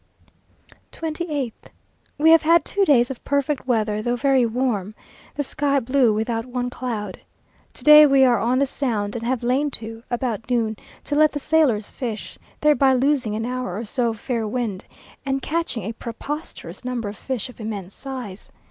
28th. We have had two days of perfect weather though very warm; the sky blue, without one cloud. To day we are on the sound, and have lain to, about noon, to let the sailors fish, thereby losing an hour or so of fair wind, and catching a preposterous number of fish of immense size.